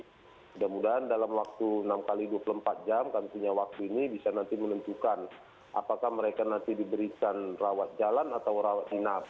mudah mudahan dalam waktu enam x dua puluh empat jam kan punya waktu ini bisa nanti menentukan apakah mereka nanti diberikan rawat jalan atau rawat inap